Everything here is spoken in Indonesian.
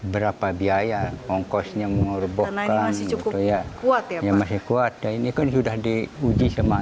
berapa biaya ongkosnya mengorbankan cukup kuat yang masih kuat dan ini kan sudah diuji sama